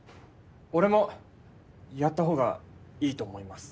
俺もやったほうがいいと思います。